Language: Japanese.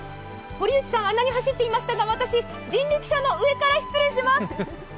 堀内さん、あんなに走っていましたが、私、人力車の上から失礼します。